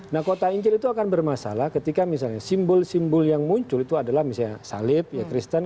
nah kota injil itu akan bermasalah ketika misalnya simbol simbol yang muncul itu adalah misalnya salib ya kristen